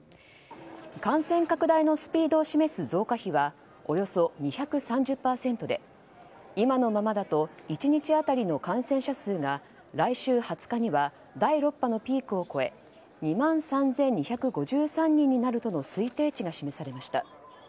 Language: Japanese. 感染拡大のスピードを示す増加比はおよそ２３０％で今のままだと１日当たりの感染者数が来週２０日には第６波のピークを越え２万３２５３人になるという推定値が示されました。